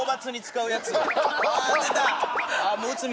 あっ出た！